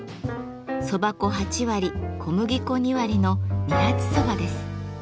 蕎麦粉８割小麦粉２割の「二八蕎麦」です。